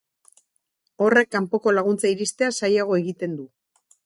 Horrek kanpoko laguntza iristea zailago egiten du.